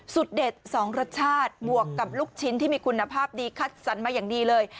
เด็ด๒รสชาติบวกกับลูกชิ้นที่มีคุณภาพดีคัดสรรมาอย่างดีเลย